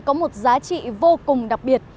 có một giá trị vô cùng đặc biệt